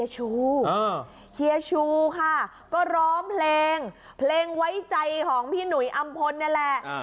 ชูเฮียชูค่ะก็ร้องเพลงเพลงไว้ใจของพี่หนุยอำพลนี่แหละ